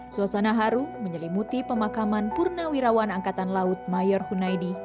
suasana haru menyelimuti pemakaman purnawirawan angkatan laut mayor hunaidi